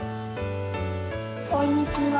こんにちは。